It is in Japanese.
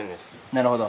なるほど。